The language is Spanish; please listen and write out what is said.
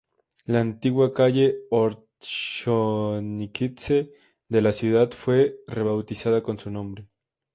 La antigua calle Ordzhonikidze de la ciudad fue rebautizada con su nombre.